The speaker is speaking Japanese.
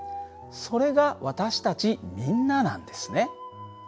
それが私たちみんななんですね。